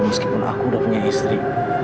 meskipun aku udah punya istri